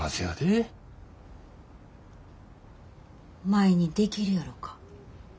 舞にできるやろか。